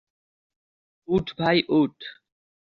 উঠ ভাই উঠ।